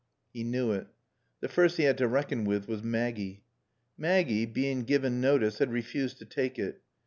He knew it. The first he had to reckon with was Maggie. Maggie, being given notice, had refused to take it.